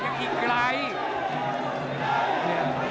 แล้วทีมงานน่าสื่อ